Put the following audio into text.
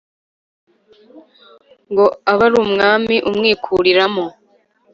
ngo ab'arumwami umwikuriramo.